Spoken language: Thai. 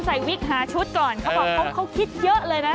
วิกหาชุดก่อนเขาบอกเขาคิดเยอะเลยนะ